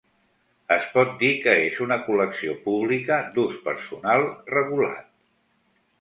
Es pot dir que és una col·lecció pública, d'ús personal regulat.